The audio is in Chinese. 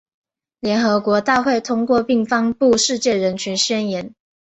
联合国大会通过并颁布《世界人权宣言》。